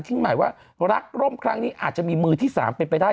หมายว่ารักร่มครั้งนี้อาจจะมีมือที่๓เป็นไปได้